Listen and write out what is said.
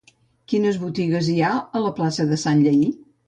Quines botigues hi ha a la plaça de Sanllehy?